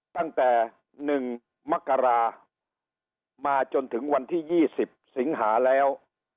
ตั้งแต่๑มกรามาจนถึงวันที่๒๐สิงหาแล้ว